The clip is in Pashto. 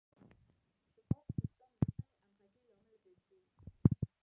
شفاف سیستم د سمې همغږۍ لامل ګرځي.